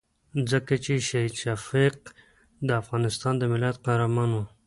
ځکه چې شهید شفیق د افغانستان د ملت قهرمان وو.